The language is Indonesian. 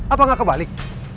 apa gak kebalik